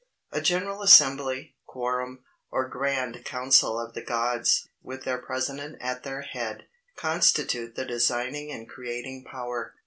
A General Assembly, Quorum, or Grand Council of the Gods, with their President at their head, constitute the designing and creating power.